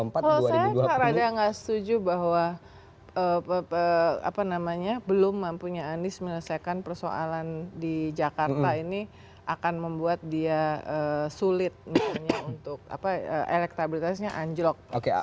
kalau saya nggak setuju bahwa belum mampunya anies menyelesaikan persoalan di jakarta ini akan membuat dia sulit misalnya untuk elektabilitasnya anjlok